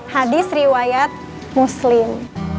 hadis riwayat muslim